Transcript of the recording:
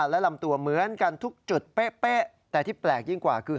และลำตัวเหมือนกันทุกจุดเป๊ะแต่ที่แปลกยิ่งกว่าคือ